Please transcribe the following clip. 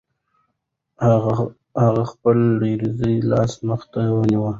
هغه خپل لړزېدلی لاس مخې ته ونیو.